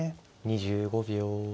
２５秒。